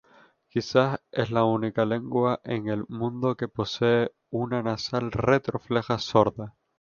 Quizás es la única lengua en el mundo que posee una nasal retrofleja sorda.